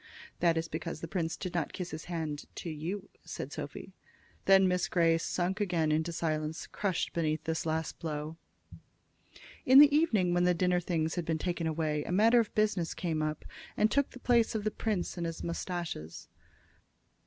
"That is because the prince did not kiss his hand to you," said Sophy. Then Miss Grey sunk again into silence, crushed beneath this last blow. In the evening, when the dinner things had been taken away, a matter of business came up, and took the place of the prince and his mustaches.